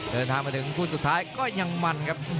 เดินทางมาถึงคู่สุดท้ายก็ยังมันครับ